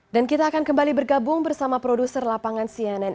dan kita akan kembali bergabung bersama produser lapangan cnn indonesia novanaya antaka